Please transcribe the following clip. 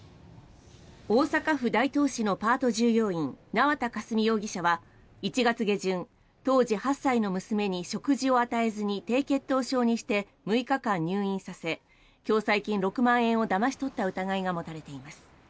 大阪府大東市のパート従業員縄田佳純容疑者は１月下旬、当時８歳の娘に食事を与えずに低血糖症にして６日間入院させ共済金６万円をだまし取った疑いが持たれています。